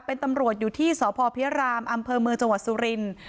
เป็นตำรวจอยู่ที่สพพิรามอำเภอเมืองจังหวัดสุรินทร์